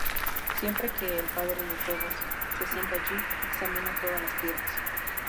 Siempre que el "padre de todos" se sienta allí, examina todas las tierras.